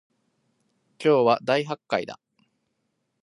今日は大発会だ